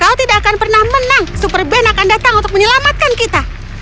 kau tidak akan pernah menang super band akan datang untuk menyelamatkan kita